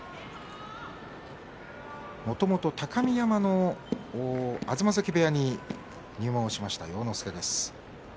もともと高見山の東関部屋に入門しました要之助です。